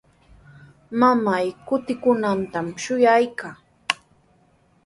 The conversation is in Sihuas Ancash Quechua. Mamaa kutimunantami shuyaykaa.